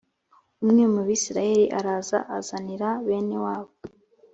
umwe mu bisirayeli araza azanira bene wabo